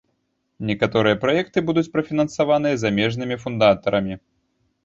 Некаторыя праекты будуць прафінансаваныя замежнымі фундатарамі.